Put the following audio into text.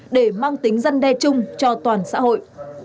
để mang tính dân đe chung cho toàn xã hội